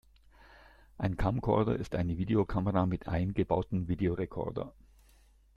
Ein Camcorder ist eine Videokamera mit eingebautem Videorekorder.